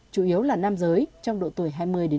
chủ yếu là nam giới trong độ tuổi hai mươi năm mươi